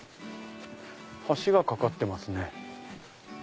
橋が架かってますね。